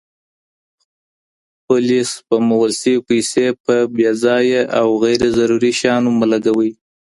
خپلي سپمول سوي پيسې په بې ځايه او غير ضروري شيانو مه لګوئ.